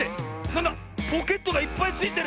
なんだポケットがいっぱいついてる！